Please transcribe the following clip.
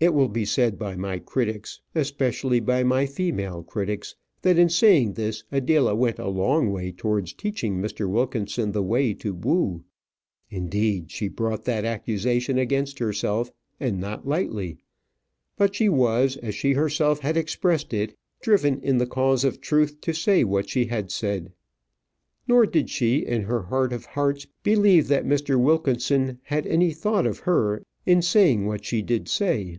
It will be said by my critics, especially by my female critics, that in saying this, Adela went a long way towards teaching Mr. Wilkinson the way to woo. Indeed, she brought that accusation against herself, and not lightly. But she was, as she herself had expressed it, driven in the cause of truth to say what she had said. Nor did she, in her heart of hearts, believe that Mr. Wilkinson had any thought of her in saying what she did say.